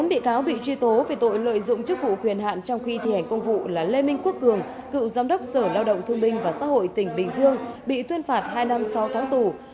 bốn bị cáo bị truy tố về tội lợi dụng chức vụ quyền hạn trong khi thi hành công vụ là lê minh quốc cường cựu giám đốc sở lao động thương binh và xã hội tỉnh bình dương bị tuyên phạt hai năm sau tháng tù